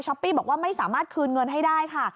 ปี้บอกว่าไม่สามารถคืนเงินให้ได้ค่ะ